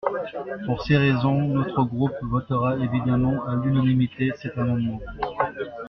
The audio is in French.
Pour ces raisons, notre groupe votera évidemment à l’unanimité cet amendement.